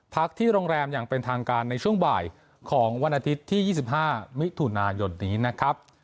พักที่โรงแรมอย่างเป็นทางการในช่วงบ่ายของวันอาทิตย์ที่๒๕มิถุนายนนี้นะครับ